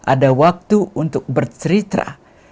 ada waktu untuk bercerita